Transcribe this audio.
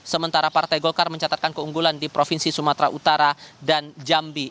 sementara partai golkar mencatatkan keunggulan di provinsi sumatera utara dan jambi